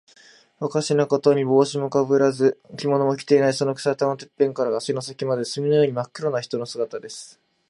おかしなことには、帽子もかぶらず、着物も着ていない。そのくせ、頭のてっぺんから足の先まで、墨のようにまっ黒な人の姿です。